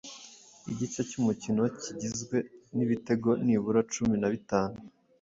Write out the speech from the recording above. igice cy’umukino kigizwe n’ibitego nibura cumin a bitanu